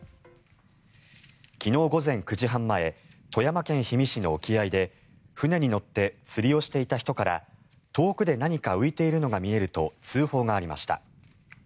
昨日午前９時半前富山県氷見市の沖合で船に乗って釣りをしていた人から遠くで何か浮いているのが見えると通報がありました。